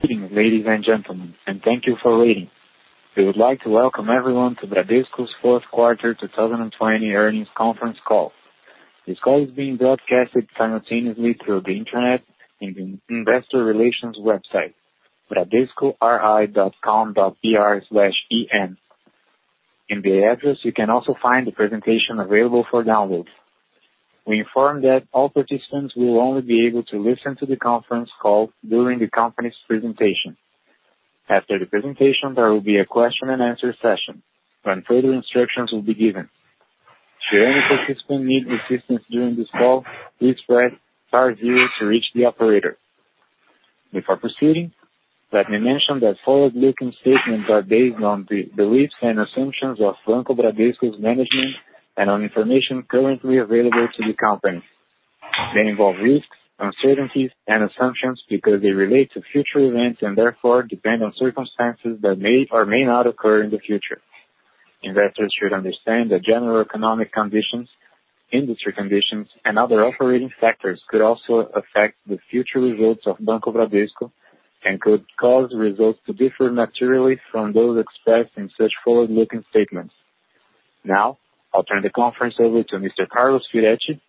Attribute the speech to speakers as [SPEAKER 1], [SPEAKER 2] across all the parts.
[SPEAKER 1] Good evening, ladies and gentlemen, and thank you for waiting. We would like to welcome everyone to Banco Bradesco's fourth quarter 2020 earnings conference call. This call is being broadcasted simultaneously through the Internet and the investor relations website, bradescori.com.br/en. In the address, you can also find the presentation available for download. We inform that all participants will only be able to listen to the conference call during the company's presentation. After the presentation, there will be a question and answer session when further instructions will be given. Before proceeding, let me mention that forward-looking statements are based on the beliefs and assumptions of Banco Bradesco's management and on information currently available to the company. They involve risks, uncertainties, and assumptions because they relate to future events and therefore depend on circumstances that may or may not occur in the future. Investors should understand that general economic conditions, industry conditions, and other operating factors could also affect the future results of Banco Bradesco and could cause results to differ materially from those expressed in such forward-looking statements. Now, I'll turn the conference over to Mr. Carlos Firetti,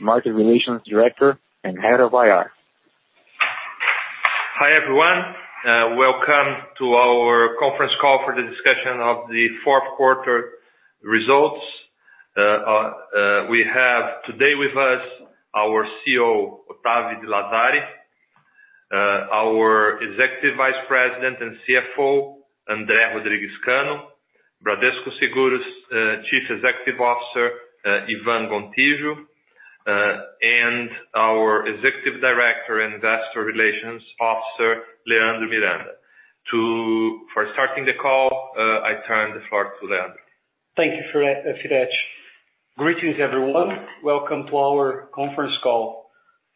[SPEAKER 1] market relations director and head of IR.
[SPEAKER 2] Hi, everyone. Welcome to our conference call for the discussion of the fourth quarter results. We have today with us our CEO, Octavio de Lazari Junior, our Executive Vice President and CFO, André Rodrigues Cano, Bradesco Seguros Chief Executive Officer, Ivan Luiz Gontijo Júnior, and our Executive Director Investor Relations Officer, Leandro de Miranda Araujo. For starting the call, I turn the floor to Leandro de Miranda Araujo.
[SPEAKER 3] Thank you, Firetti. Greetings, everyone. Welcome to our conference call.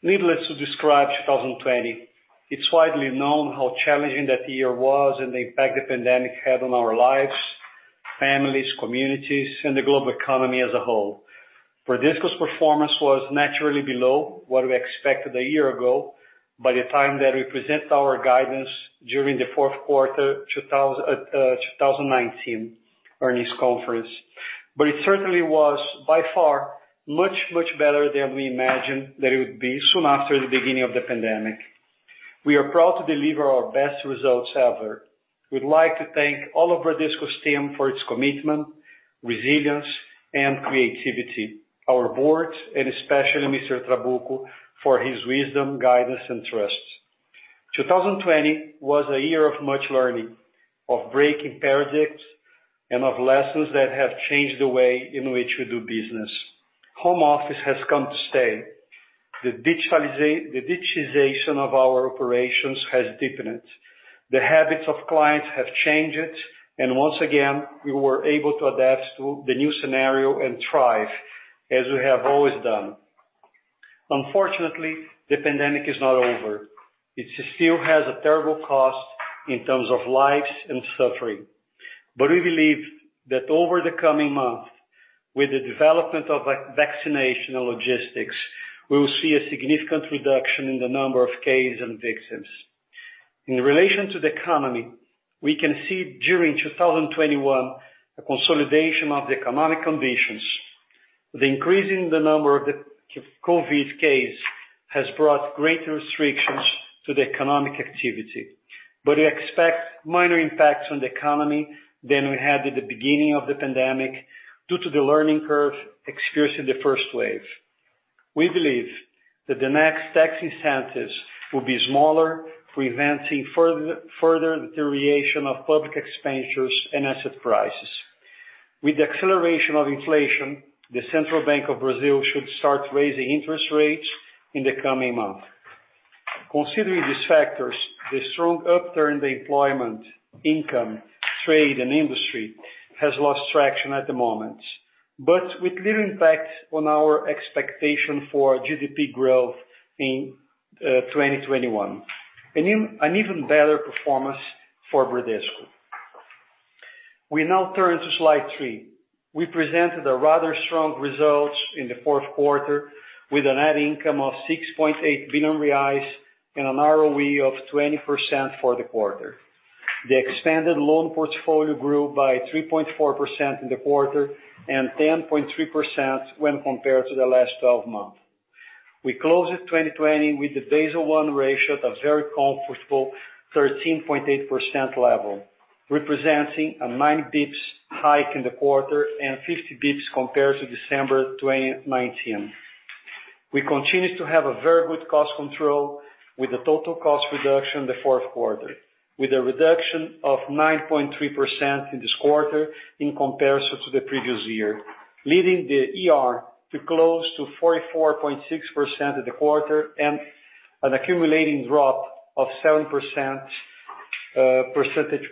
[SPEAKER 3] Needless to describe 2020. It's widely known how challenging that year was and the impact the pandemic had on our lives, families, communities, and the global economy as a whole. Banco Bradesco's performance was naturally below what we expected a year ago by the time that we present our guidance during the fourth quarter 2019 earnings conference. It certainly was, by far, much, much better than we imagined that it would be soon after the beginning of the pandemic. We are proud to deliver our best results ever. We'd like to thank all of Banco Bradesco's team for its commitment, resilience, and creativity, our board, and especially Mr. Luiz Carlos Trabuco Cappi for his wisdom, guidance, and trust. 2020 was a year of much learning, of breaking paradigms, and of lessons that have changed the way in which we do business. Home office has come to stay. The digitization of our operations has deepened. The habits of clients have changed, and once again, we were able to adapt to the new scenario and thrive as we have always done. Unfortunately, the pandemic is not over. It still has a terrible cost in terms of lives and suffering. We believe that over the coming month, with the development of vaccination and logistics, we will see a significant reduction in the number of cases and victims. In relation to the economy, we can see during 2021, a consolidation of the economic conditions. The increase in the number of the COVID case has brought greater restrictions to the economic activity, but we expect minor impacts on the economy than we had at the beginning of the pandemic due to the learning curve experienced in the first wave. We believe that the next tax incentives will be smaller, preventing further deterioration of public expenditures and asset prices. With the acceleration of inflation, the Central Bank of Brazil should start raising interest rates in the coming month. Considering these factors, the strong upturn in the employment, income, trade, and industry has lost traction at the moment, but with little impact on our expectation for GDP growth in 2021, and even better performance for Banco Bradesco. We now turn to slide three. We presented a rather strong result in the fourth quarter with a net income of 6.8 billion reais and an ROE of 20% for the quarter. The expanded loan portfolio grew by 3.4% in the quarter and 10.3% when compared to the last 12 months. We closed 2020 with the Basel III ratio at a very comfortable 13.8% level, representing a 90 basis points hike in the quarter and 50 basis points compared to December 2019. We continue to have a very good cost control with a total cost reduction in the fourth quarter, with a reduction of 9.3% in this quarter in comparison to the previous year, leading the ER to close to 44.6% of the quarter and an accumulating drop of 7 percentage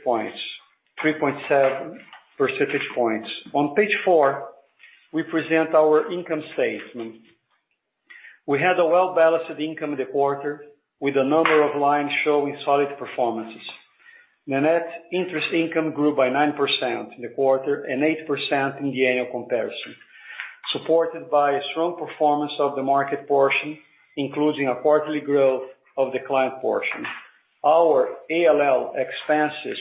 [SPEAKER 3] points, 3.7 percentage points. On page four, we present our income statement. We had a well-balanced income in the quarter, with a number of lines showing solid performance. The net interest income grew by 9% in the quarter and 8% in the annual comparison, supported by a strong performance of the market portion, including a quarterly growth of the client portion. Our ALL expenses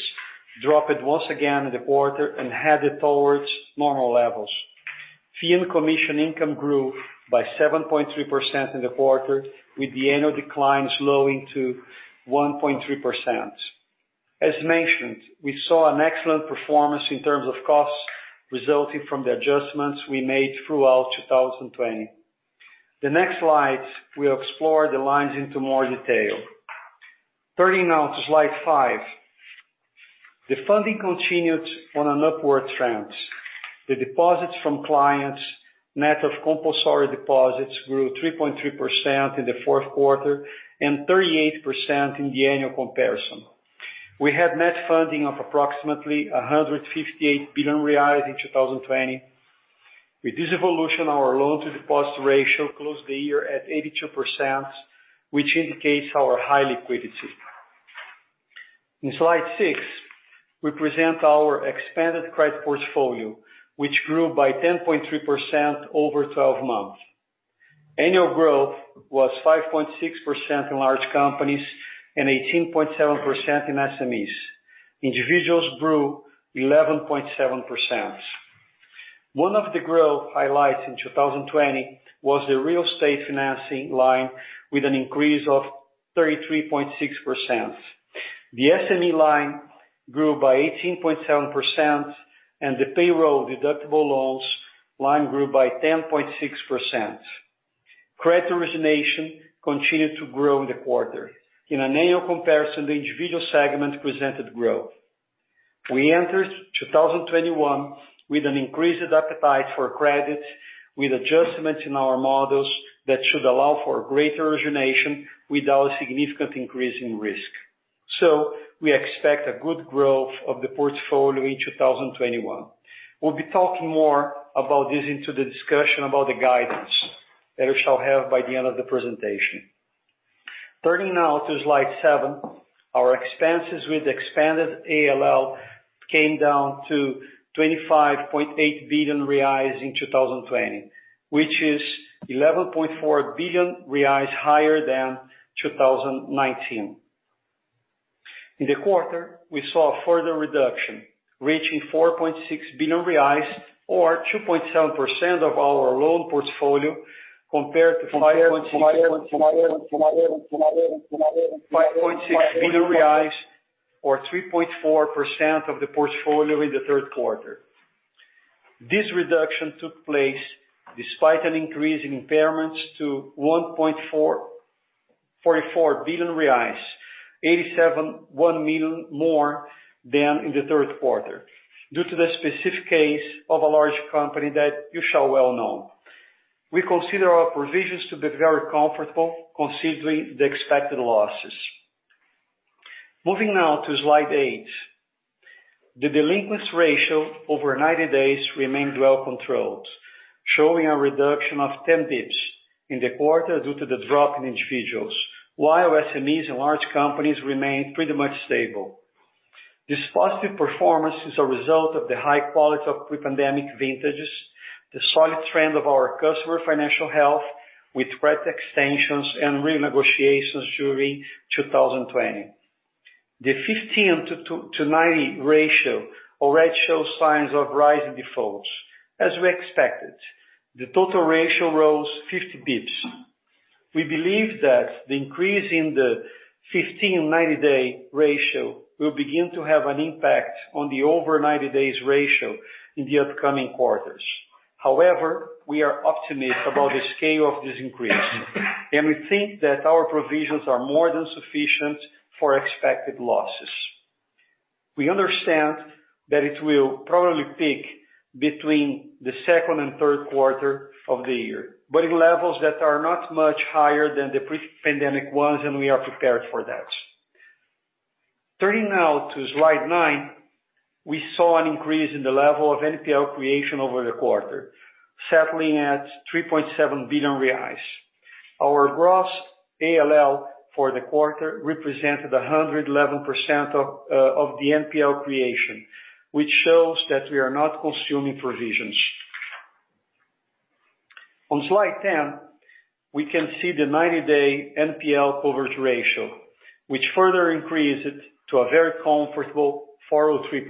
[SPEAKER 3] dropped once again in the quarter and headed towards normal levels. Fee and commission income grew by 7.3% in the quarter, with the annual decline slowing to 1.3%. As mentioned, we saw an excellent performance in terms of costs resulting from the adjustments we made throughout 2020. The next slides will explore the lines into more detail. Turning now to slide five. The funding continued on an upward trend. The deposits from clients, net of compulsory deposits, grew 3.3% in the fourth quarter and 38% in the annual comparison. We had net funding of approximately 158 billion reais in 2020. With this evolution, our loan-to-deposit ratio closed the year at 82%, which indicates our high liquidity. In slide six, we present our expanded credit portfolio, which grew by 10.3% over 12 months. Annual growth was 5.6% in large companies and 18.7% in SMEs. Individuals grew 11.7%. One of the growth highlights in 2020 was the real estate financing line with an increase of 33.6%. The SME line grew by 18.7% and the payroll-deductible loans line grew by 10.6%. Credit origination continued to grow in the quarter. In an annual comparison, the individual segment presented growth. We entered 2021 with an increased appetite for credit, with adjustments in our models that should allow for greater origination without a significant increase in risk. We expect a good growth of the portfolio in 2021. We'll be talking more about this into the discussion about the guidance that we shall have by the end of the presentation. Turning now to slide seven, our expenses with expanded ALL came down to 25.8 billion reais in 2020, which is 11.4 billion reais higher than 2019. In the quarter, we saw a further reduction, reaching 4.6 billion reais, or 2.7% of our loan portfolio, compared to 5.6 billion reais or 3.4% of the portfolio in the third quarter. This reduction took place despite an increase in impairments to 1.44 billion reais, 871 million more than in the third quarter, due to the specific case of a large company that you shall well know. We consider our provisions to be very comfortable considering the expected losses. Moving now to slide eight. The delinquencies ratio over 90 days remained well controlled, showing a reduction of 10 basis points in the quarter due to the drop in individuals, while SMEs and large companies remained pretty much stable. This positive performance is a result of the high quality of pre-pandemic vintages, the solid trend of our customer financial health with credit extensions and renegotiations during 2020. The 15-90 ratio already shows signs of rising defaults as we expected. The total ratio rose 50 basis points. We believe that the increase in the 15-90-day ratio will begin to have an impact on the over 90-days ratio in the upcoming quarters. We are optimistic about the scale of this increase, and we think that our provisions are more than sufficient for expected losses. We understand that it will probably peak between the second and third quarter of the year, but in levels that are not much higher than the pre-pandemic ones, and we are prepared for that. Turning now to slide nine, we saw an increase in the level of NPL creation over the quarter, settling at 3.7 billion reais. Our gross ALL for the quarter represented 111% of the NPL creation, which shows that we are not consuming provisions. On slide 10, we can see the 90-day NPL coverage ratio, which further increased to a very comfortable 403%.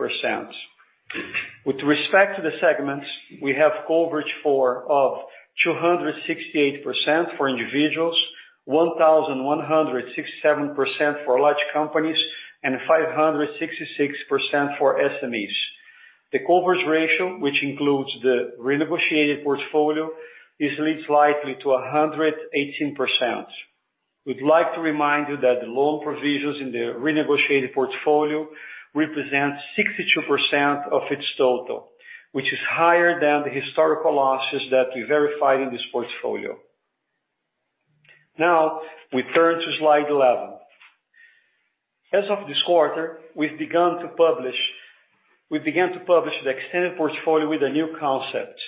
[SPEAKER 3] With respect to the segments, we have coverage of 268% for individuals, 1,167% for large companies, and 566% for SMEs. The coverage ratio, which includes the renegotiated portfolio, is slightly to 118%. We'd like to remind you that the loan provisions in the renegotiated portfolio represent 62% of its total, which is higher than the historical losses that we verified in this portfolio. We turn to slide 11. As of this quarter, we began to publish the extended portfolio with a new concept,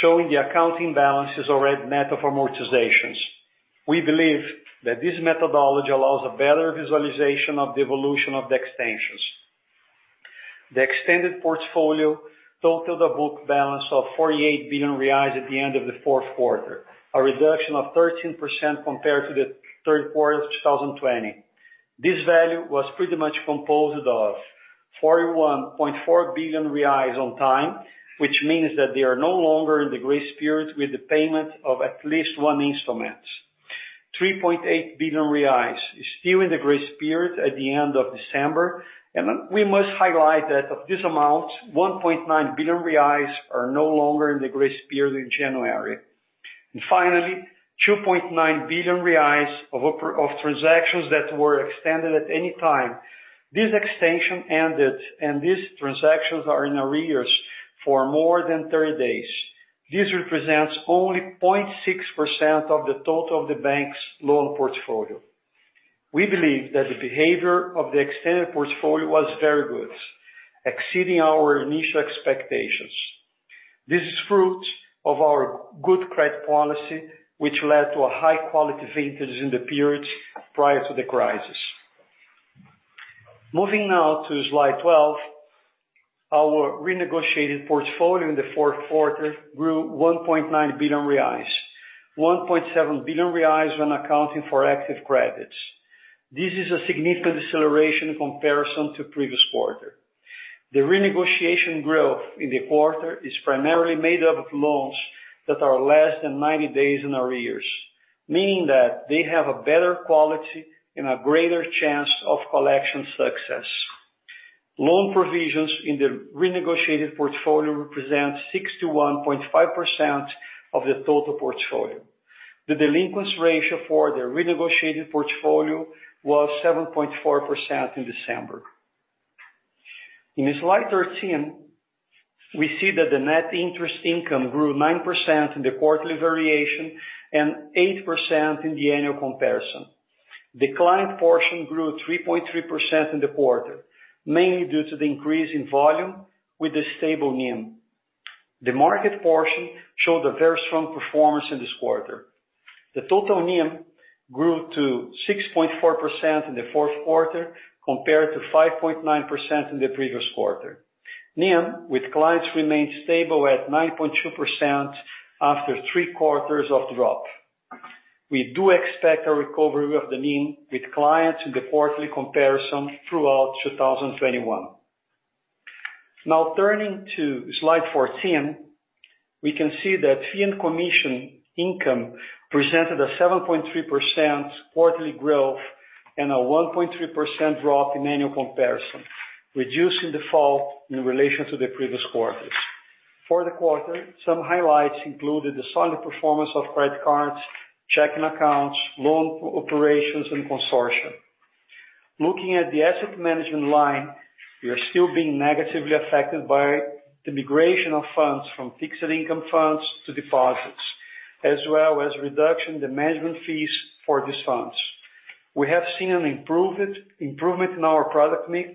[SPEAKER 3] showing the accounting balances already net of amortizations. We believe that this methodology allows a better visualization of the evolution of the extensions. The extended portfolio totaled a book balance of 48 billion reais at the end of the fourth quarter, a reduction of 13% compared to the third quarter of 2020. This value was pretty much composed of 41.4 billion reais on time, which means that they are no longer in the grace period with the payment of at least one installment. 3.8 billion reais is still in the grace period at the end of December. We must highlight that of this amount, 1.9 billion reais are no longer in the grace period in January. Finally, 2.9 billion reais of transactions that were extended at any time. This extension ended. These transactions are in arrears for more than 30 days. This represents only 0.6% of the total of the bank's loan portfolio. We believe that the behavior of the extended portfolio was very good, exceeding our initial expectations. This is fruit of our good credit policy, which led to a high quality vintage in the period prior to the crisis. Moving now to slide 12, our renegotiated portfolio in the fourth quarter grew 1.9 billion reais, 1.7 billion reais when accounting for active credits. This is a significant deceleration in comparison to previous quarter. The renegotiation growth in the quarter is primarily made up of loans that are less than 90 days in arrears, meaning that they have a better quality and a greater chance of collection success. Loan provisions in the renegotiated portfolio represent 61.5% of the total portfolio. The delinquency ratio for the renegotiated portfolio was 7.4% in December. In slide 13, we see that the net interest income grew 9% in the quarterly variation and 8% in the annual comparison. The client portion grew 3.3% in the quarter, mainly due to the increase in volume with a stable NIM. The market portion showed a very strong performance in this quarter. The total NIM grew to 6.4% in the fourth quarter, compared to 5.9% in the previous quarter. NIM with clients remained stable at 9.2% after three quarters of drop. We do expect a recovery of the NIM with clients in the quarterly comparison throughout 2021. Turning to slide 14, we can see that fee and commission income presented a 7.3% quarterly growth and a 1.3% drop in annual comparison, reducing the fall in relation to the previous quarters. For the quarter, some highlights included the solid performance of credit cards, checking accounts, loan operations, and consortium. Looking at the asset management line, we are still being negatively affected by the migration of funds from fixed income funds to deposits, as well as reduction in the management fees for these funds. We have seen an improvement in our product mix,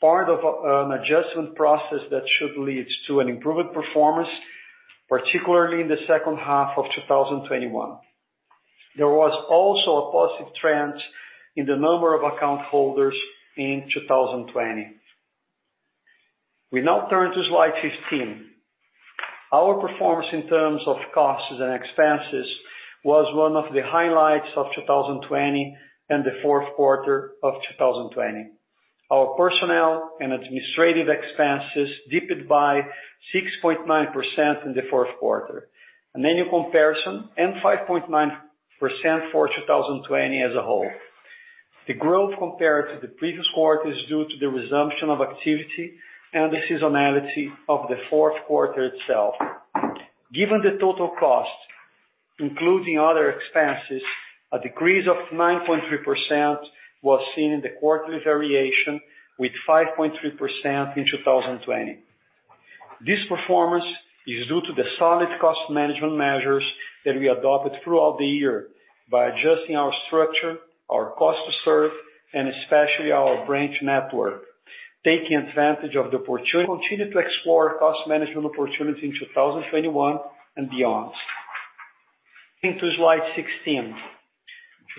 [SPEAKER 3] part of an adjustment process that should lead to an improved performance, particularly in the second half of 2021. There was also a positive trend in the number of account holders in 2020. We now turn to slide 15. Our performance in terms of costs and expenses was one of the highlights of 2020 and the fourth quarter of 2020. Our personnel and administrative expenses dipped by 6.9% in the fourth quarter. Annual comparison and 5.9% for 2020 as a whole. The growth compared to the previous quarter is due to the resumption of activity and the seasonality of the fourth quarter itself. Given the total cost, including other expenses, a decrease of 9.3% was seen in the quarterly variation, with 5.3% in 2020. This performance is due to the solid cost management measures that we adopted throughout the year by adjusting our structure, our cost to serve, and especially our branch network. Taking advantage of the opportunity, we will continue to explore cost management opportunity in 2021 and beyond. Into slide 16.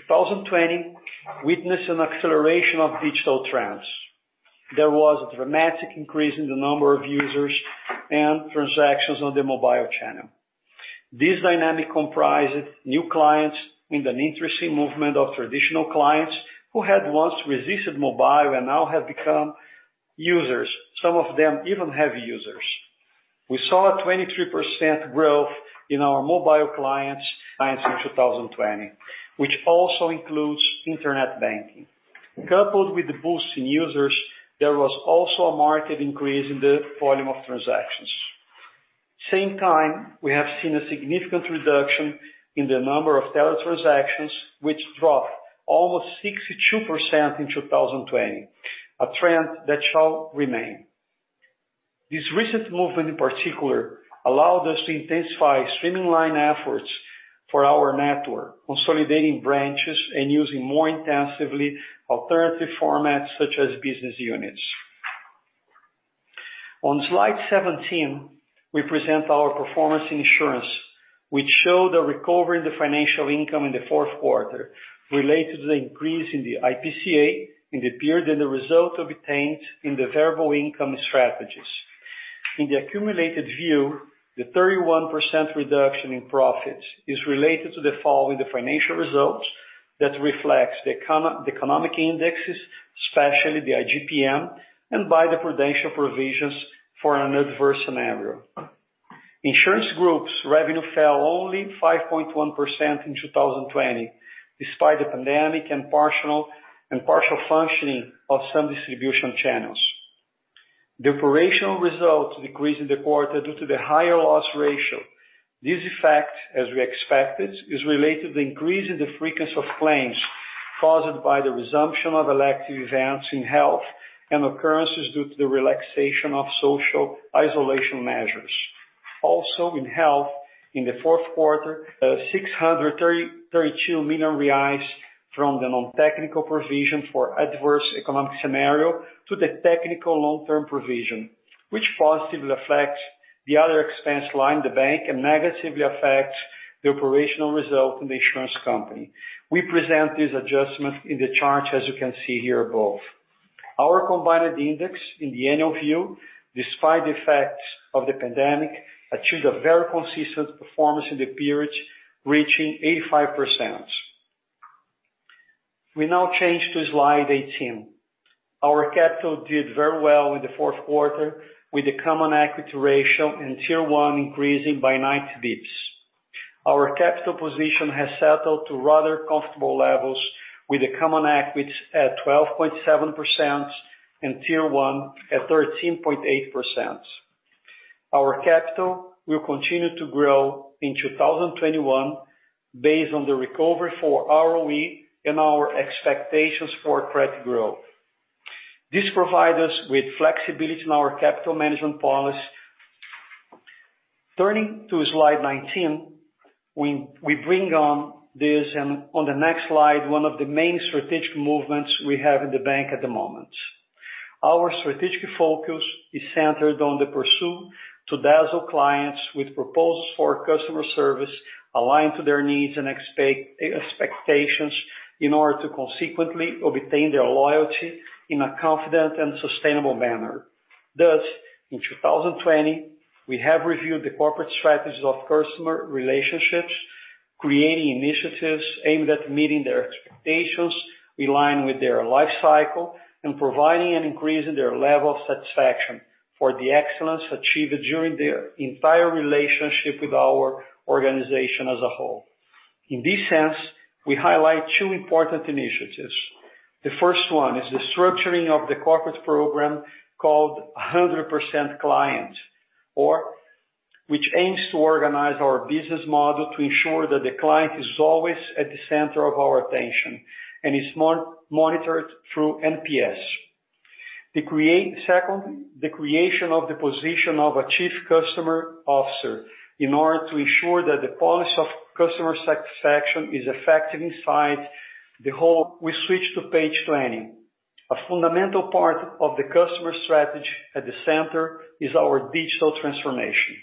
[SPEAKER 3] 2020 witnessed an acceleration of digital trends. There was a dramatic increase in the number of users and transactions on the mobile channel. This dynamic comprises new clients and an interesting movement of traditional clients who had once resisted mobile and now have become users, some of them even heavy users. We saw a 23% growth in our mobile clients in 2020, which also includes internet banking. Coupled with the boost in users, there was also a marked increase in the volume of transactions. Same time, we have seen a significant reduction in the number of teller transactions, which dropped almost 62% in 2020, a trend that shall remain. This recent movement in particular allowed us to intensify streamlining efforts for our network, consolidating branches and using more intensively alternative formats such as business units. On slide 17, we present our performance insurance, which show the recovery in the financial income in the fourth quarter related to the increase in the IPCA in the period and the result obtained in the variable income strategies. In the accumulated view, the 31% reduction in profits is related to the fall in the financial results that reflects the economic indexes, especially the IGPM, and by the prudential provisions for an adverse scenario. Insurance groups revenue fell only 5.1% in 2020, despite the pandemic and partial functioning of some distribution channels. The operational results decreased in the quarter due to the higher loss ratio. This effect, as we expected, is related to the increase in the frequency of claims caused by the resumption of elective events in health and occurrences due to the relaxation of social isolation measures. In health in the fourth quarter, 632 million reais from the non-technical provision for adverse economic scenario to the technical long-term provision, which positively affects the other expense line in the bank and negatively affects the operational result in the insurance company. We present this adjustment in the chart, as you can see here above. Our combined index in the annual view, despite the effects of the pandemic, achieved a very consistent performance in the period, reaching 85%. We now change to slide 18. Our capital did very well in the fourth quarter with the common equity ratio and Tier 1 increasing by 90 basis points. Our capital position has settled to rather comfortable levels with the common equity at 12.7% and Tier 1 at 13.8%. Our capital will continue to grow in 2021 based on the recovery for ROE and our expectations for credit growth. This provide us with flexibility in our capital management policy. Turning to slide 19, we bring on this, and on the next slide, one of the main strategic movements we have in the bank at the moment. Our strategic focus is centered on the pursuit to dazzle clients with proposals for customer service aligned to their needs and expectations in order to consequently obtain their loyalty in a confident and sustainable manner. Thus, in 2020, we have reviewed the corporate strategies of customer relationships, creating initiatives aimed at meeting their expectations, aligned with their life cycle, and providing an increase in their level of satisfaction for the excellence achieved during their entire relationship with our organization as a whole. In this sense, we highlight two important initiatives. The first one is the structuring of the corporate program called 100% Client, which aims to organize our business model to ensure that the client is always at the center of our attention and is monitored through NPS. Second, the creation of the position of a Chief Customer Officer in order to ensure that the policy of customer satisfaction is effective inside the whole. We switch to page 20. A fundamental part of the customer strategy at the center is our digital transformation.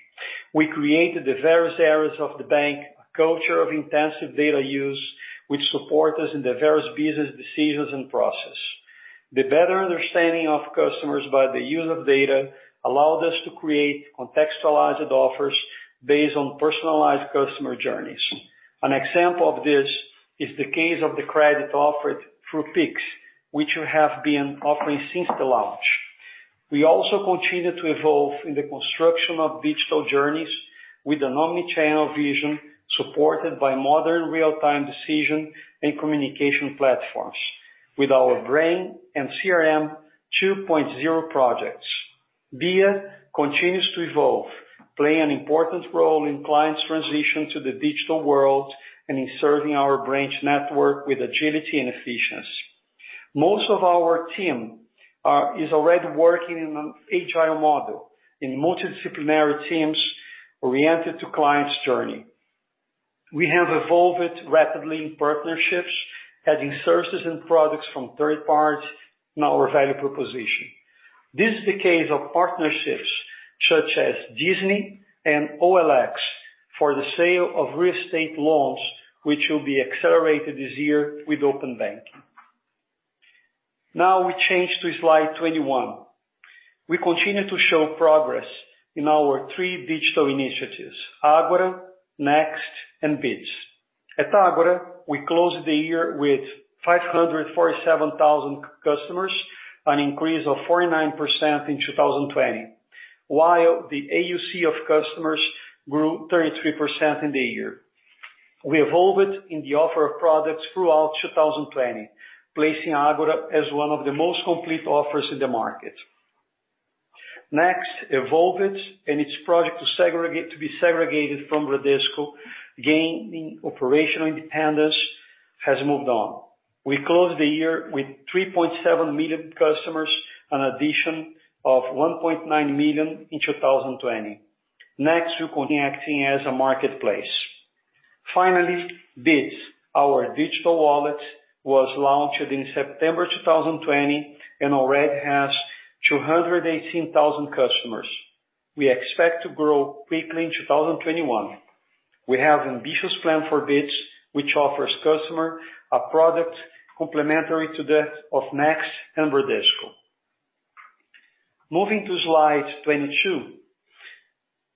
[SPEAKER 3] We created the various areas of the bank, a culture of intensive data use, which support us in the various business decisions and process. The better understanding of customers by the use of data allowed us to create contextualized offers based on personalized customer journeys. An example of this is the case of the credit offered through Pix, which we have been offering since the launch. We also continue to evolve in the construction of digital journeys with an omni-channel vision supported by modern real-time decision and communication platforms with our BRAIN and CRM 2.0 projects. BIA continues to evolve, playing an important role in clients' transition to the digital world and in serving our branch network with agility and efficiency. Most of our team is already working in an agile model in multidisciplinary teams oriented to clients' journey. We have evolved rapidly in partnerships, adding services and products from third parties in our value proposition. This is the case of partnerships such as Disney and OLX for the sale of real estate loans, which will be accelerated this year with open banking. We change to slide 21. We continue to show progress in our three digital initiatives, Ágora, next, and Bitz. At Ágora, we closed the year with 547,000 customers, an increase of 49% in 2020. The AUC of customers grew 33% in the year. We evolved in the offer of products throughout 2020, placing Ágora as one of the most complete offers in the market. next evolved in its project to be segregated from Banco Bradesco, gaining operational independence. Has moved on. We closed the year with 3.7 million customers, an addition of 1.9 million in 2020. next, we're connecting as a marketplace. Bitz, our digital wallet, was launched in September 2020 and already has 218,000 customers. We expect to grow quickly in 2021. We have ambitious plan for Bitz, which offers customer a product complementary to that of next and Banco Bradesco. Moving to slide 22.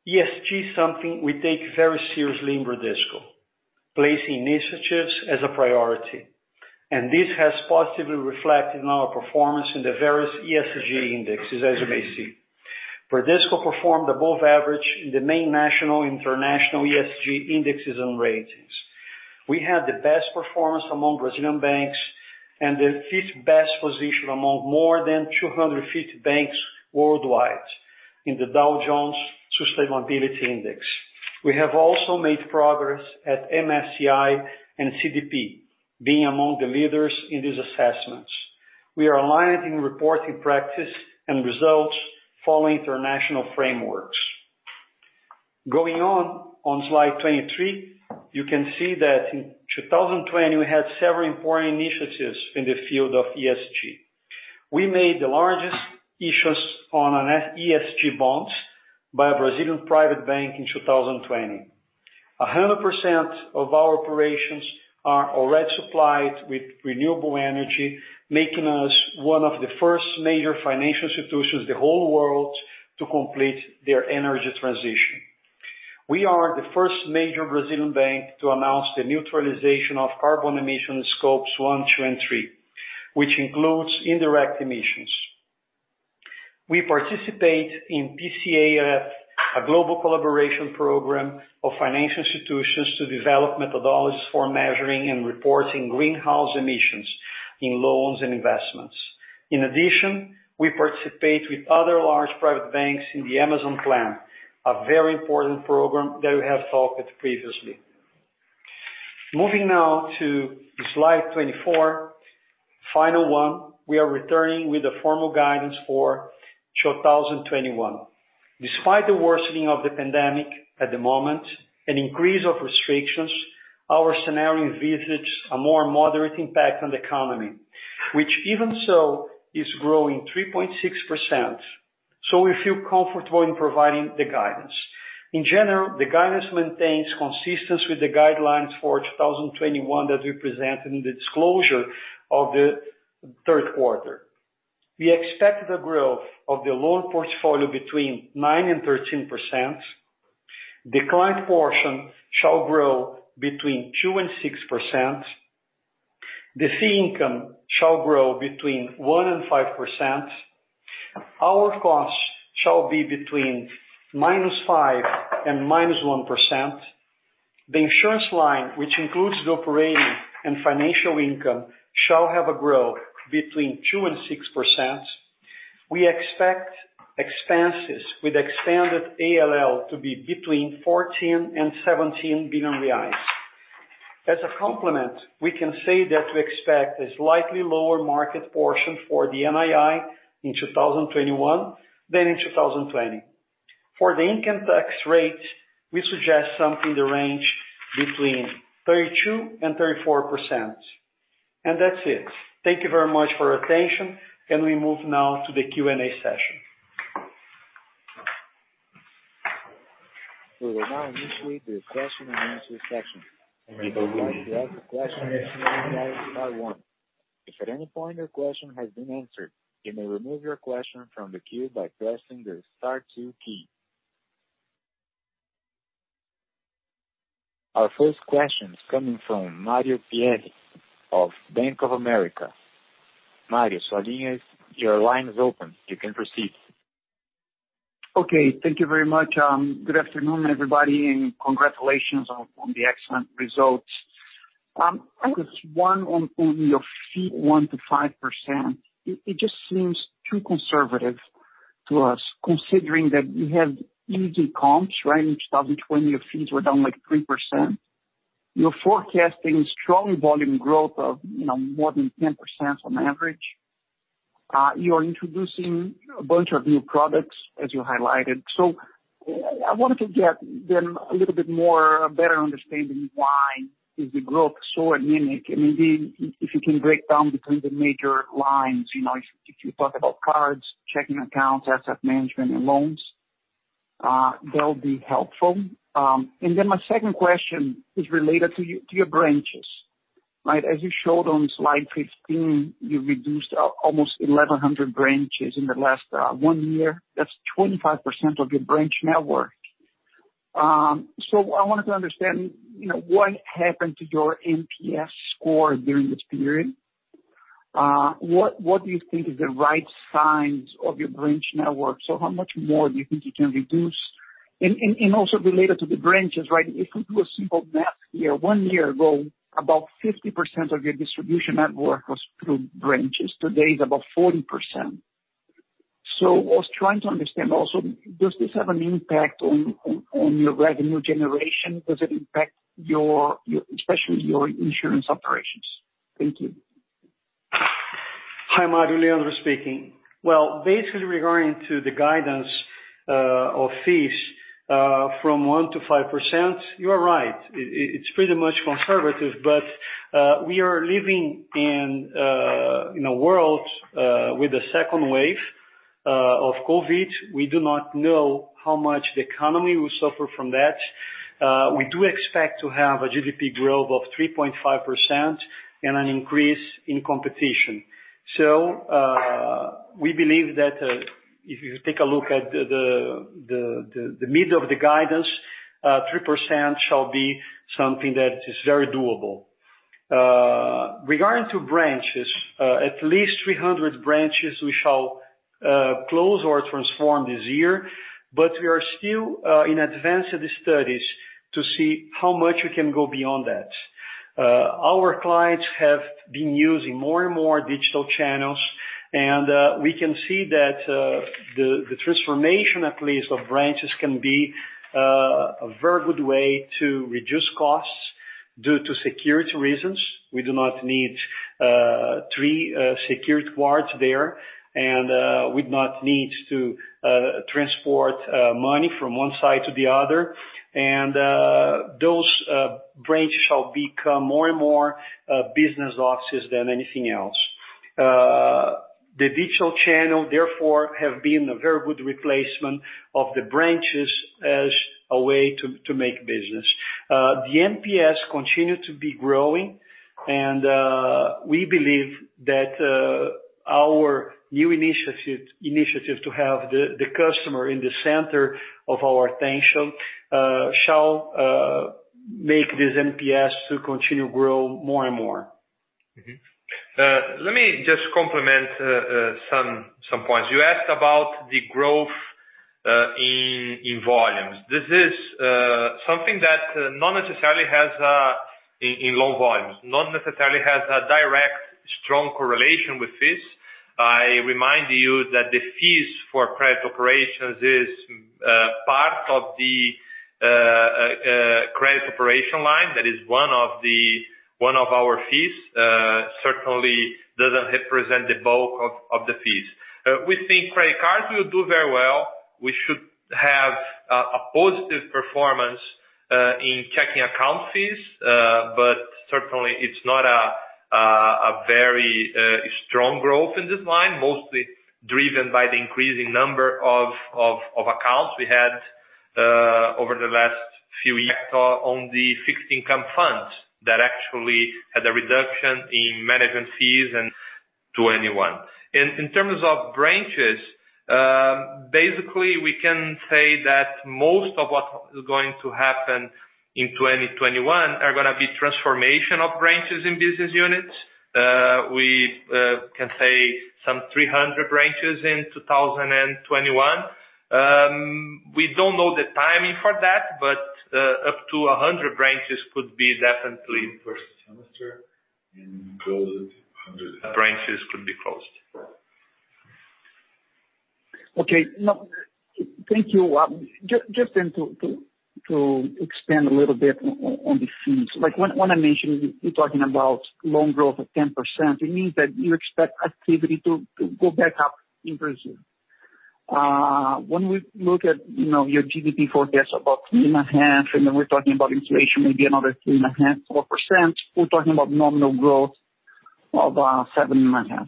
[SPEAKER 3] ESG is something we take very seriously in Banco Bradesco, placing initiatives as a priority. This has positively reflected in our performance in the various ESG indexes, as you may see. Bradesco performed above average in the main national/international ESG indexes and ratings. We had the best performance among Brazilian banks and the fifth best position among more than 250 banks worldwide in the Dow Jones Sustainability Index. We have also made progress at MSCI and CDP, being among the leaders in these assessments. We are aligned in reporting practice and results following international frameworks. Going on slide 23, you can see that in 2020, we had several important initiatives in the field of ESG. We made the largest issues on an ESG bonds by a Brazilian private bank in 2020. 100% of our operations are already supplied with renewable energy, making us one of the first major financial institutions in the whole world to complete their energy transition. We are the first major Brazilian bank to announce the neutralization of carbon emissions Scopes 1, 2, and 3, which includes indirect emissions. We participate in PCAF, a global collaboration program of financial institutions to develop methodologies for measuring and reporting greenhouse emissions in loans and investments. In addition, we participate with other large private banks in the Amazon Plan, a very important program that we have talked previously. Moving now to slide 24, final one. We are returning with the formal guidance for 2021. Despite the worsening of the pandemic at the moment, an increase of restrictions, our scenario visits a more moderate impact on the economy, which even so is growing 3.6%. We feel comfortable in providing the guidance. In general, the guidance maintains consistency with the guidelines for 2021 that we present in the disclosure of the third quarter. We expect the growth of the loan portfolio between 9% and 13%. The client portion shall grow between 2% and 6%. The fee income shall grow between 1% and 5%. Our costs shall be between -5% and -1%. The insurance line, which includes the operating and financial income, shall have a growth between 2% and 6%. We expect expenses with expanded ALL to be between 14 billion and 17 billion reais. As a complement, we can say that we expect a slightly lower market portion for the NII in 2021 than in 2020. For the income tax rate, we suggest something in the range between 32% and 34%. That's it. Thank you very much for your attention. We move now to the Q&A session.
[SPEAKER 1] We will now initiate the question and answer session. If you would like to ask a question, you may dial star one. If at any point your question has been answered, you may remove your question from the queue by pressing the star two key. Our first question is coming from Mario Pierry of Bank of America. Mario, your line is open. You can proceed.
[SPEAKER 4] Okay, thank you very much. Good afternoon, everybody. Congratulations on the excellent results. I guess one on only your fee, 1%-5%, it just seems too conservative to us considering that you have easy comps, right? In 2020, your fees were down like 3%. You're forecasting strong volume growth of more than 10% on average. You're introducing a bunch of new products as you highlighted. I wanted to get a little bit more, a better understanding why is the growth so anemic? Indeed, if you can break down between the major lines, if you talk about cards, checking accounts, asset management, and loans, that'll be helpful. My second question is related to your branches. As you showed on slide 15, you reduced almost 1,100 branches in the last one year. That's 25% of your branch network. I wanted to understand what happened to your NPS score during this period. What do you think is the right size of your branch network? How much more do you think you can reduce? Also related to the branches, if we do a simple math here, one year ago, about 50% of your distribution network was through branches. Today, it's about 40%. I was trying to understand also, does this have an impact on your revenue generation? Does it impact especially your insurance operations? Thank you.
[SPEAKER 3] Hi, Mario. Leandro speaking. Basically regarding to the guidance of fees from 1%-5%, you are right. It's pretty much conservative, but we are living in a world with a second wave of COVID. We do not know how much the economy will suffer from that. We do expect to have a GDP growth of 3.5% and an increase in competition. We believe that if you take a look at the mid of the guidance, 3% shall be something that is very doable. Regarding to branches, at least 300 branches we shall close or transform this year, but we are still in advance of the studies to see how much we can go beyond that. Our clients have been using more and more digital channels, and we can see that the transformation at least of branches can be a very good way to reduce costs due to security reasons. We do not need three security guards there and we'd not need to transport money from one side to the other. Those branches shall become more and more business offices than anything else. The digital channel, therefore, have been a very good replacement of the branches as a way to make business. The NPS continue to be growing, and we believe that our new initiative to have the customer in the center of our attention shall make this NPS to continue grow more and more.
[SPEAKER 2] Let me just complement some points. You asked about the growth in volumes. This is something that, in low volumes, not necessarily has a direct, strong correlation with fees. I remind you that the fees for credit operations is part of the credit operation line. That is one of our fees. Certainly doesn't represent the bulk of the fees. We think credit cards will do very well. We should have a positive performance in checking account fees. Certainly it's not a very strong growth in this line, mostly driven by the increasing number of accounts we had over the last few years on the fixed income funds that actually had a reduction in management fees. In terms of branches, basically, we can say that most of what is going to happen in 2021 are gonna be transformation of branches in business units. We can say some 300 branches in 2021. We don't know the timing for that, but up to 100 branches could be.
[SPEAKER 3] First semester and close 100.
[SPEAKER 2] Branches could be closed.
[SPEAKER 3] Correct.
[SPEAKER 4] Okay. Thank you. Just to expand a little bit on the fees. When I mention, you're talking about loan growth of 10%, it means that you expect activity to go back up in Brazil. When we look at your GDP forecast about 3.5%, we're talking about inflation, maybe another 3.5%, 4%, we're talking about nominal growth of 7.5%.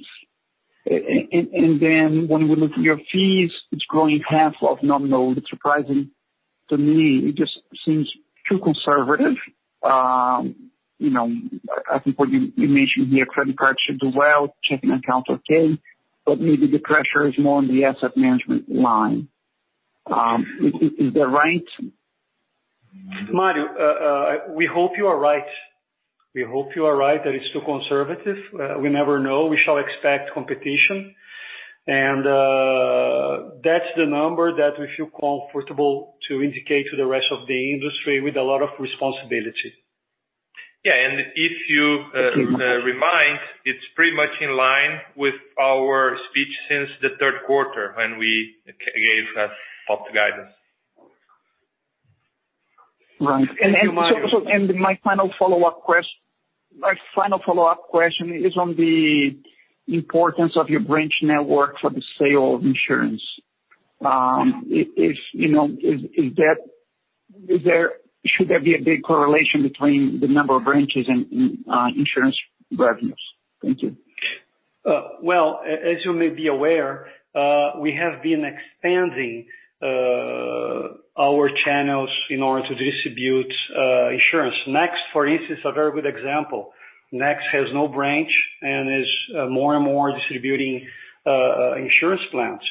[SPEAKER 4] When we look at your fees, it's growing half of nominal. It's surprising to me. It just seems too conservative. I think what you mentioned here, credit card should do well, checking account okay, but maybe the pressure is more on the asset management line. Is that right?
[SPEAKER 3] Mario, we hope you are right. We hope you are right, that it's too conservative. We never know. We shall expect competition. That's the number that we feel comfortable to indicate to the rest of the industry with a lot of responsibility.
[SPEAKER 2] Yeah. If you remind, it's pretty much in line with our speech since the third quarter when we gave that top guidance.
[SPEAKER 4] Right.
[SPEAKER 3] Thank you, Mario.
[SPEAKER 4] My final follow-up question is on the importance of your branch network for the sale of insurance. Should there be a big correlation between the number of branches and insurance revenues? Thank you.
[SPEAKER 3] Well, as you may be aware, we have been expanding our channels in order to distribute insurance. next, for instance, a very good example. next has no branch and is more and more distributing insurance plans.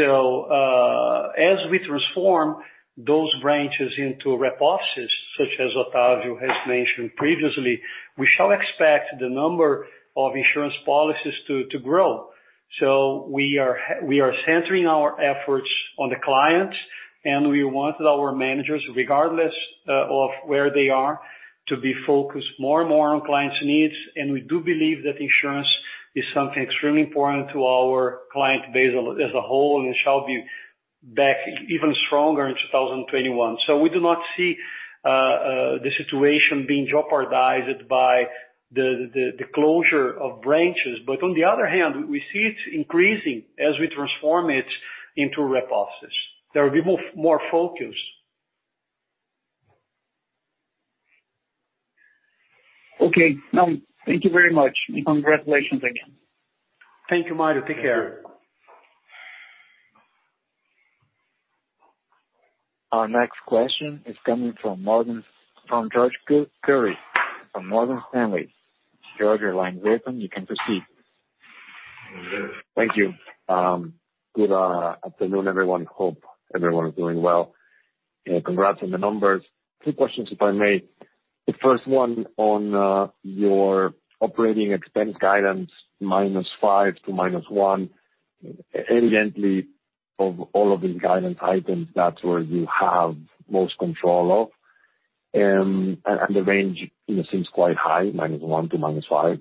[SPEAKER 3] As we transform those branches into rep offices, such as Octavio de Lazari Junior has mentioned previously, we shall expect the number of insurance policies to grow. We are centering our efforts on the client. We wanted our managers, regardless of where they are, to be focused more and more on clients' needs. We do believe that insurance is something extremely important to our client base as a whole, and it shall be back even stronger in 2021. We do not see the situation being jeopardized by the closure of branches. On the other hand, we see it increasing as we transform it into rep offices. They will be more focused.
[SPEAKER 4] Okay. Thank you very much, and congratulations again.
[SPEAKER 3] Thank you, Mario. Take care.
[SPEAKER 1] Our next question is coming from Jorge Kuri from Morgan Stanley. Jorge, your line's open. You can proceed.
[SPEAKER 5] Thank you. Good afternoon, everyone. Hope everyone is doing well. Congrats on the numbers. Two questions, if I may. The first one on your operating expense guidance, -5% to -1%. Evidently, of all of these guidance items, that's where you have most control of, and the range seems quite high, -1% to -5%.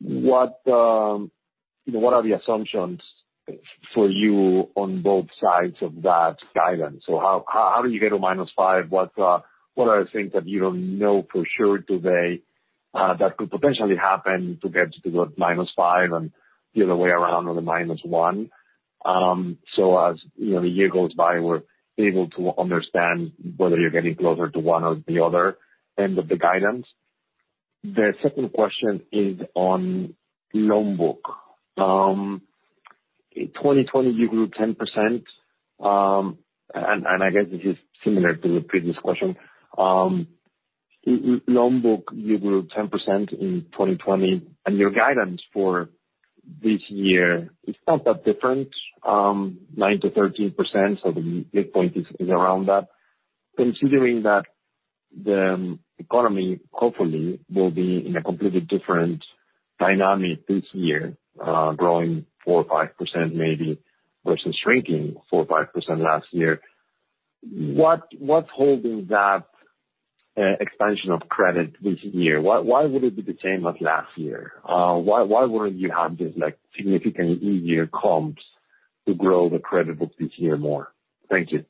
[SPEAKER 5] What are the assumptions for you on both sides of that guidance? How do you get to -5%? What are the things that you don't know for sure today that could potentially happen to get to the -5% and the other way around on the -1%? As the year goes by, we're able to understand whether you're getting closer to one or the other end of the guidance. The second question is on loan book. 2020, you grew 10%. I guess this is similar to the previous question. Loan book, you grew 10% in 2020. Your guidance for this year is not that different, 9%-13%. The midpoint is around that. Considering that the economy hopefully will be in a completely different dynamic this year, growing 4% or 5% maybe versus shrinking 4% or 5% last year. What's holding that expansion of credit this year? Why would it be the same as last year? Why wouldn't you have these significant year comps to grow the credit book this year more? Thank you.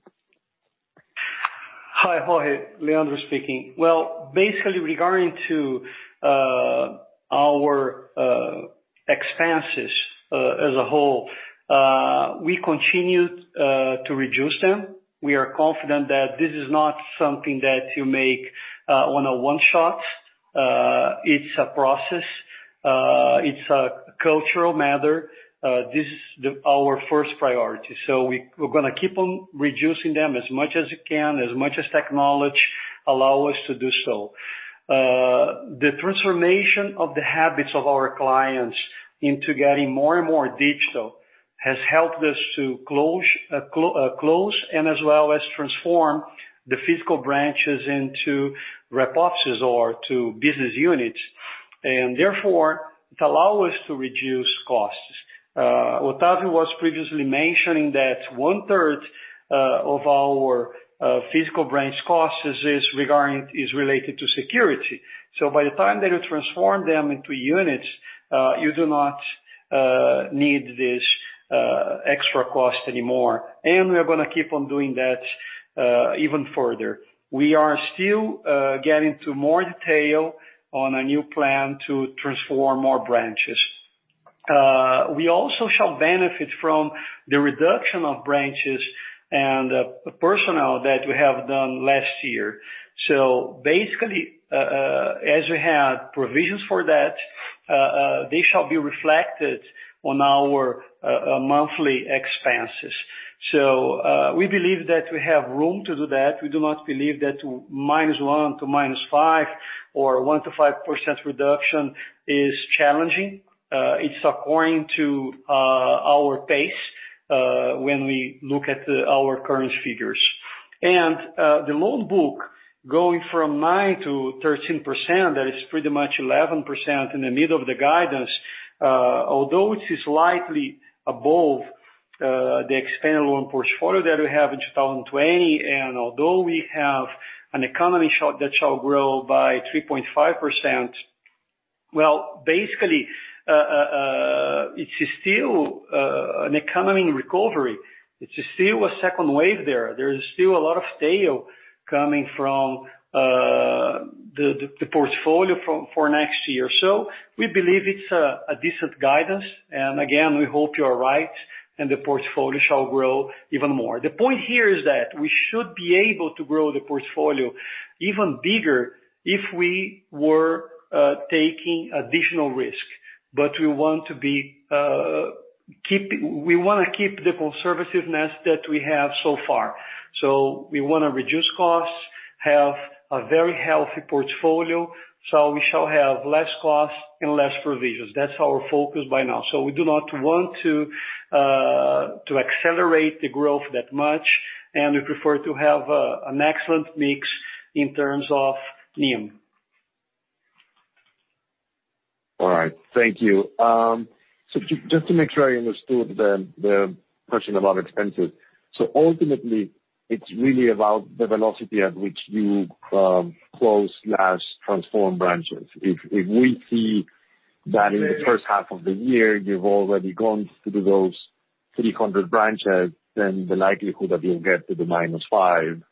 [SPEAKER 3] Hi, Jorge. Leandro speaking. Well, basically, regarding to our expenses as a whole, we continue to reduce them. We are confident that this is not something that you make on a one-shot. It's a process. It's a cultural matter. This is our first priority. We're going to keep on reducing them as much as we can, as much as technology allows us to do so. The transformation of the habits of our clients into getting more and more digital has helped us to close and as well as transform the physical branches into rep offices or to business units, and therefore it allows us to reduce costs. Octavio was previously mentioning that one-third of our physical branch costs is related to security. By the time that you transform them into units, you do not need this extra cost anymore. We are going to keep on doing that even further. We are still getting to more detail on a new plan to transform more branches. We also shall benefit from the reduction of branches and personnel that we have done last year. Basically, as we have provisions for that, they shall be reflected on our monthly expenses. We believe that we have room to do that. We do not believe that -1% to -5% or 1%-5% reduction is challenging. It's according to our pace when we look at our current figures. The loan book going from 9%-13%, that is pretty much 11% in the middle of the guidance. Although it is slightly above the external loan portfolio that we have in 2020, and although we have an economy shot that shall grow by 3.5%, well, basically, it's still an economy in recovery. It's still a second wave there. There is still a lot of tail coming from the portfolio for next year. We believe it's a decent guidance. Again, we hope you are right and the portfolio shall grow even more. The point here is that we should be able to grow the portfolio even bigger if we were taking additional risk. We want to keep the conservativeness that we have so far. We want to reduce costs, have a very healthy portfolio. We shall have less costs and less provisions. That's our focus by now. We do not want to accelerate the growth that much, and we prefer to have an excellent mix in terms of NIM.
[SPEAKER 5] All right. Thank you. Just to make sure I understood the question about expenses. Ultimately, it's really about the velocity at which you close large transform branches. If we see that in the first half of the year, you've already gone through those 300 branches, then the likelihood that you'll get to the -5%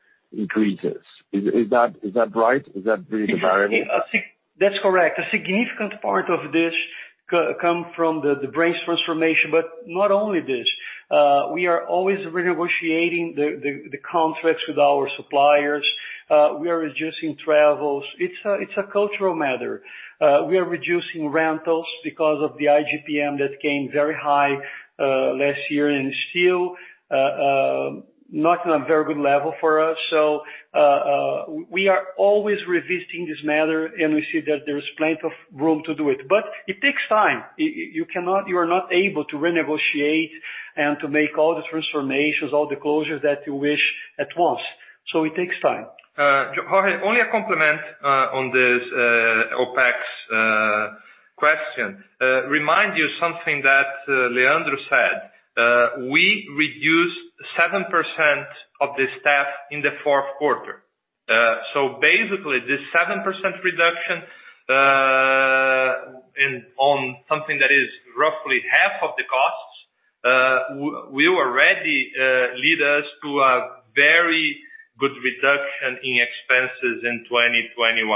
[SPEAKER 5] increases. Is that right? Is that the environment?
[SPEAKER 3] That's correct. A significant part of this come from the branch transformation, not only this. We are always renegotiating the contracts with our suppliers. We are reducing travels. It's a cultural matter. We are reducing rentals because of the IGPM that came very high last year and still not in a very good level for us. We are always revisiting this matter, and we see that there's plenty of room to do it. It takes time. You are not able to renegotiate and to make all the transformations, all the closures that you wish at once. It takes time.
[SPEAKER 2] Jorge, only a compliment on this OpEx question. Remind you something that Leandro said. We reduced 7% of the staff in the fourth quarter. Basically, this 7% reduction on something that is roughly half of the costs, will already lead us to a very good reduction in expenses in 2021.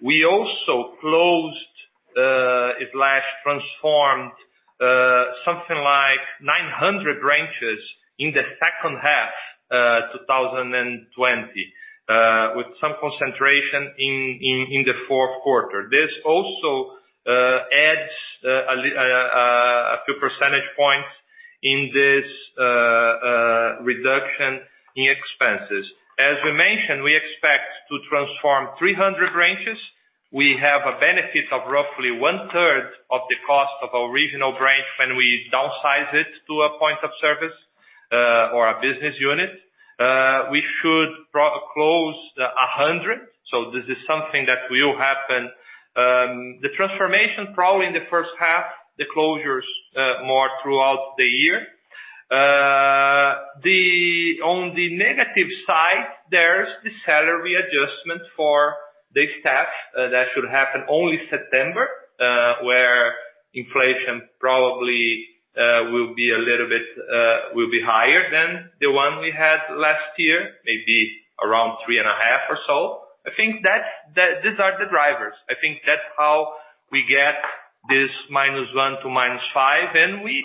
[SPEAKER 2] We also closed, plus transformed, something like 900 branches in the second half 2020, with some concentration in the fourth quarter. This also adds a few percentage points in this reduction in expenses. As we mentioned, we expect to transform 300 branches. We have a benefit of roughly one-third of the cost of a regional branch when we downsize it to a point of service or a business unit. We should close 100. This is something that will happen. The transformation, probably in the first half, the closures more throughout the year. On the negative side, there's the salary adjustment for the staff that should happen only September, where inflation probably will be higher than the one we had last year, maybe around 3.5% or so. I think these are the drivers. I think that's how we get this -1% to -5%. We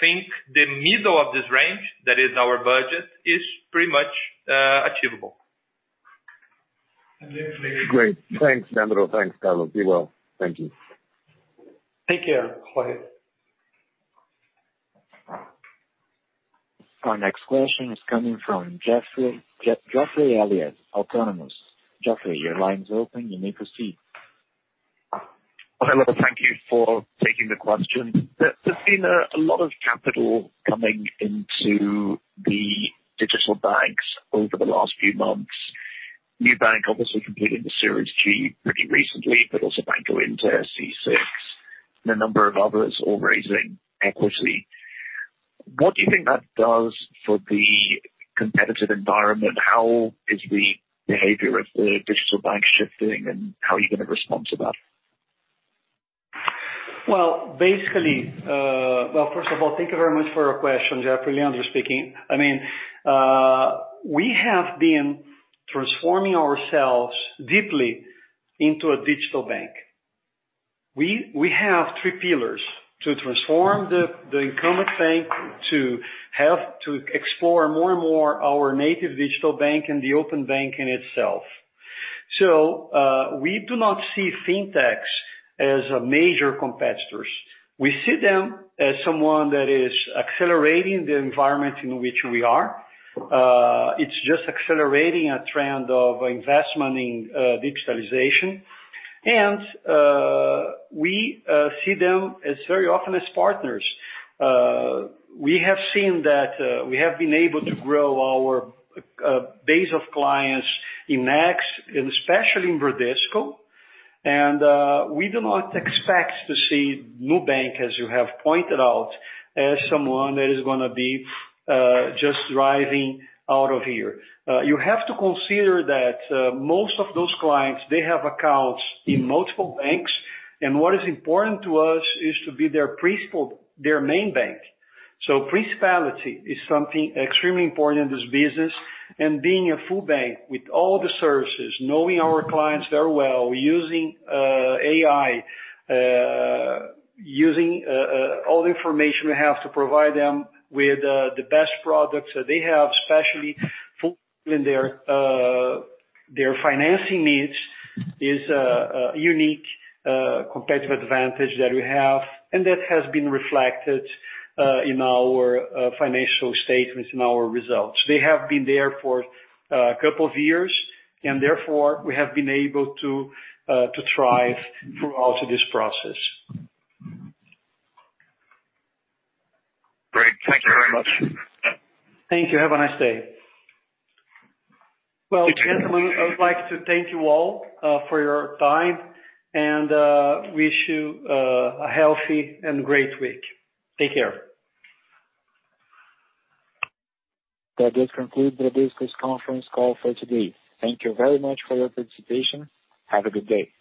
[SPEAKER 2] think the middle of this range, that is our budget, is pretty much achievable.
[SPEAKER 5] Great. Thanks, Leandro. Thanks, Carlos. Be well. Thank you.
[SPEAKER 3] Take care, Jorge.
[SPEAKER 1] Our next question is coming from Geoffrey Elliott, Autonomous. Geoffrey, your line's open. You may proceed.
[SPEAKER 6] Hello, thank you for taking the question. There's been a lot of capital coming into the digital banks over the last few months. Nubank obviously completed the Series G funding round pretty recently, but also Banco Inter, C6 Bank, and a number of others all raising equity. What do you think that does for the competitive environment? How is the behavior of the digital bank shifting, and how are you going to respond to that?
[SPEAKER 3] Well, first of all, thank you very much for your question, Geoffrey. Leandro speaking. We have been transforming ourselves deeply into a digital bank. We have three pillars: to transform the incumbent bank, to explore more and more our native digital bank and the open banking in itself. We do not see fintechs as major competitors. We see them as someone that is accelerating the environment in which we are. It's just accelerating a trend of investment in digitalization. We see them very often as partners. We have seen that we have been able to grow our base of clients in next, especially in Banco Bradesco. We do not expect to see Nubank, as you have pointed out, as someone that is going to be just driving out of here. You have to consider that most of those clients, they have accounts in multiple banks, and what is important to us is to be their principal, their main bank. Principality is something extremely important in this business, and being a full bank with all the services, knowing our clients very well, using AI, using all the information we have to provide them with the best products that they have, especially fulfilling their financing needs is a unique competitive advantage that we have, and that has been reflected in our financial statements and our results. They have been there for a couple of years, and therefore, we have been able to thrive throughout this process.
[SPEAKER 6] Great. Thank you very much.
[SPEAKER 3] Thank you. Have a nice day. Well, gentlemen, I would like to thank you all for your time and wish you a healthy and great week. Take care.
[SPEAKER 1] That does conclude Banco Bradesco's conference call for today. Thank you very much for your participation. Have a good day.